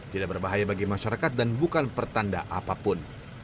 tidak berbahaya bagi masyarakat dan bukan pertanda apapun